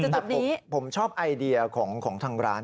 แต่ผมชอบไอเดียของทางร้าน